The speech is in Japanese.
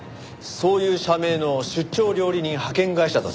そういう社名の出張料理人派遣会社だそうです。